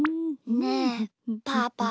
ねえパパ。